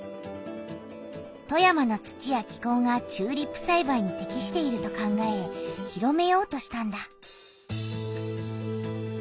富山の土や気こうがチューリップさいばいにてきしていると考え広めようとしたんだ。